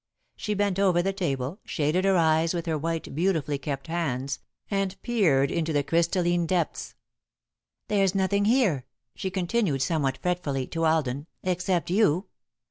She bent over the table, shaded her eyes with her white, beautifully kept hands, and peered into the crystalline depths. "There's nothing here," she continued, somewhat fretfully, to Alden, "except you.